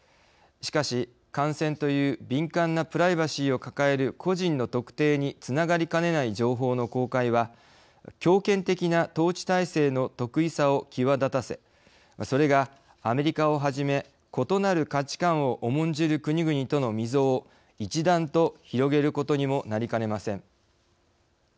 しかし感染という敏感なプライバシーを抱える個人の特定につながりかねない情報の公開は強権的な統治体制の特異さを際立たせそれがアメリカをはじめ異なる価値観を重んじる国々との溝を一段と広げることにもなりかねません。